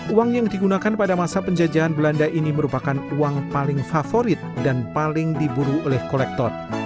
uang yang digunakan pada masa penjajahan belanda ini merupakan uang paling favorit dan paling diburu oleh kolektor